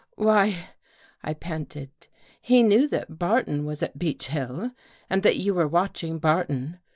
" Why," I panted, " he knew that Barton was at Beech Hill and that you were watching Barton.